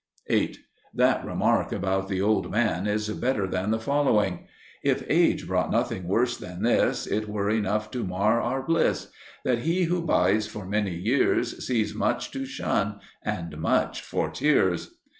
8. That remark about the old man is better than the following: If age brought nothing worse than this, It were enough to mar our bliss, That he who bides for many years Sees much to shun and much for tears.